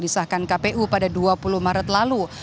disahkan kpu pada dua puluh maret lalu